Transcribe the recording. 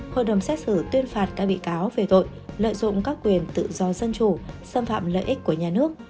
hội đồng xét xử tuyên phạt các bị cáo về tội lợi dụng các quyền tự do dân chủ xâm phạm lợi ích của nhà nước